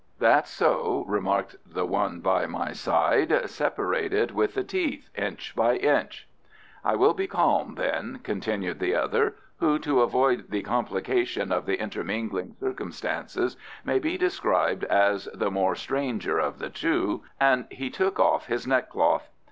"That's so," remarked the one by my side. "Separate it with the teeth, inch by inch." "I will be calm, then," continued the other (who, to avoid the complication of the intermingling circumstances, may be described as the more stranger of the two), and he took of his neckcloth.